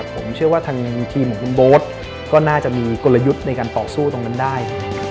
ผมเชื่อว่าทางทีมของคุณโบ๊ทก็น่าจะมีกลยุทธ์ในการต่อสู้ตรงนั้นได้